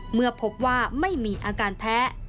เมื่อพบว่าไม่มีอาการแพ้